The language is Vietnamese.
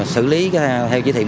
xử lý theo chí thị một mươi sáu